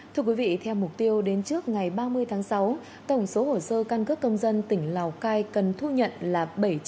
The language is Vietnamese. thưa quý vị theo mục tiêu đến trước ngày ba mươi tháng sáu tổng số hồ sơ căn cước công dân tỉnh lào cai cần thu nhận là bảy trăm linh